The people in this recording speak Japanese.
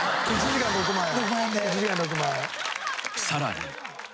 ［さらに］